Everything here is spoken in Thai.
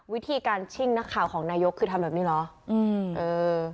วิธีการชิ่งนักข่าวของนายกคือทำแบบนี้เหรออืมเออ